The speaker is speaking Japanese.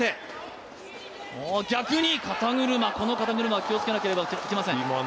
逆に、この肩車は気をつけなければいけません。